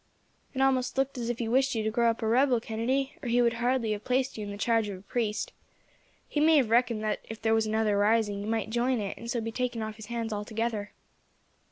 "It almost looked as if he wished you to grow up a rebel, Kennedy, or he would hardly have placed you in the charge of a priest. He may have reckoned that if there was another rising, you might join it, and so be taken off his hands, altogether."